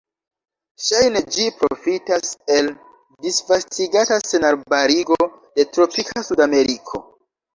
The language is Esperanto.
Ŝajne ĝi profitas el disvastigata senarbarigo de tropika Sudameriko.